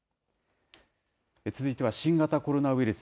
続いては新型コロナウイルス。